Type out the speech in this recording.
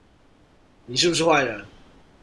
你是不是壞人